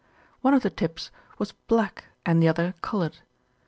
One of the "tips" was black and the other coloured.